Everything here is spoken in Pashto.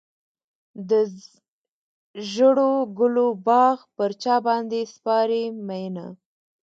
د ژړو ګلو باغ پر چا باندې سپارې مینه.